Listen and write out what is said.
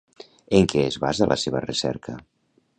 En què es basa la seva recerca?